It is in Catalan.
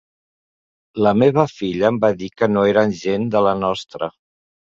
La meva filla em va dir que no eren gent de la nostra.